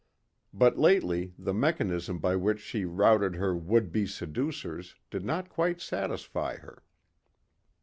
But lately the mechanism by which she routed her would be seducers did not quite satisfy her.